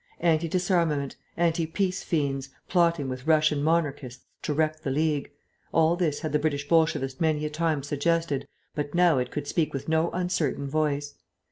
Anti disarmament, anti peace fiends, plotting with Russian Monarchists to wreck the League ... all this had the British Bolshevist many a time suggested, but now it could speak with no uncertain voice.